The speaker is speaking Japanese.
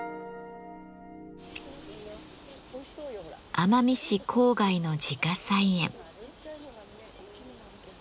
奄美市郊外の自家菜園。